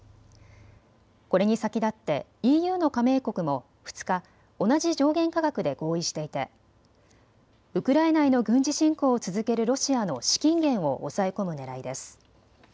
これに先立ってＥＵの加盟国も２日、同じ上限価格で合意していてウクライナへの軍事侵攻を続けるロシアの資金源を抑え込むねらいです。